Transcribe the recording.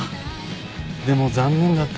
でも残念だったね。